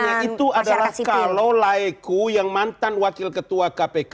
pertanyaannya itu adalah kalau laeku yang mantan wakil ketua kpk